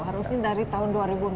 harusnya dari tahun dua ribu empat belas